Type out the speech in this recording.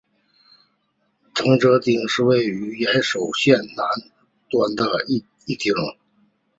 藤泽町是位于岩手县南端的一町。